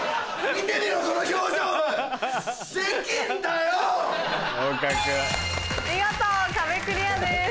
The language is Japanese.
見事壁クリアです。